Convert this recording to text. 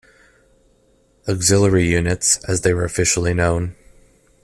Auxiliary Units, as they were officially known.